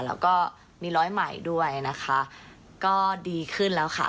แล้วก็มีร้อยใหม่ด้วยนะคะก็ดีขึ้นแล้วค่ะ